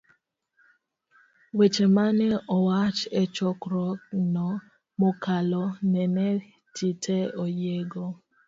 Weche manene owach e Chokruogno mokalo nene jite oyiego